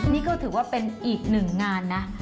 นี่ก็ถือว่าเป็นอีกหนึ่งงานนะ